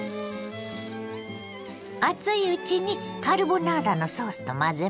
熱いうちにカルボナーラのソースと混ぜましょ。